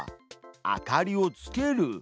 「明かりをつける」。